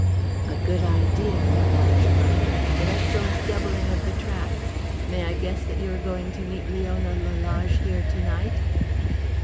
"A good idea," Lalage muttered. "An excellent doubling of the tracks. May I guess that you are going to meet Leona Lalage here tonight?"